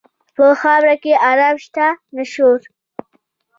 په خاوره کې آرام شته، نه شور.